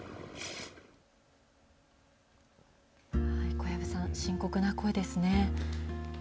小籔さん、深刻な声ですね。